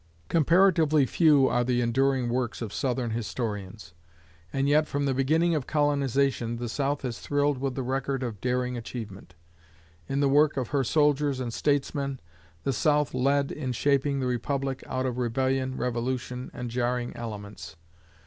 Comparatively few are the enduring works of Southern historians; and yet from the beginning of colonization the South has thrilled with the record of daring achievement. In the work of her soldiers and statesmen, the South led in shaping the Republic out of rebellion, revolution, and jarring elements.